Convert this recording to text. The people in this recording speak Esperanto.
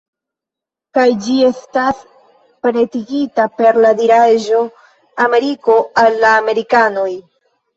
Kaj ĝi estas pretigita per la diraĵo: ""Ameriko al la amerikanoj""